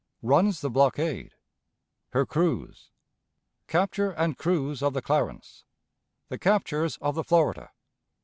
Runs the Blockade. Her Cruise. Capture and Cruise of the Clarence. The Captures of the Florida.